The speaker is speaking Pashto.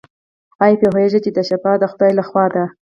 ایا پوهیږئ چې شفا د خدای لخوا ده؟